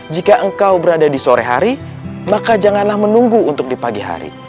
jika engkau berada di sore hari maka janganlah menunggu untuk di pagi hari